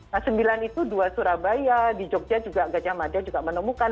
nah sembilan itu dua surabaya di jogja juga gajah mada juga menemukan